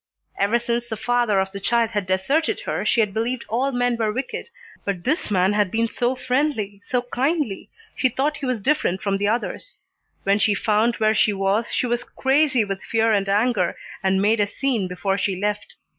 "Ever since the father of the child had deserted her, she had believed all men were wicked, but this man had been so friendly, so kindly, she thought he was different from the others. When she found where she was, she was crazy with fear and anger, and made a scene before she left.